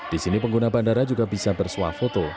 di sini pengguna bandara juga bisa bersuah foto